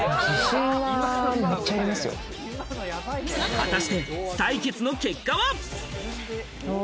果たして、採血の結果は。